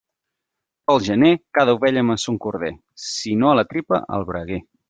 Pel gener, cada ovella amb son corder; si no a la tripa al braguer.